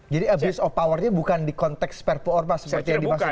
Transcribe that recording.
jadi abuse of powernya bukan di konteks perpu ormas seperti yang dimaksud presiden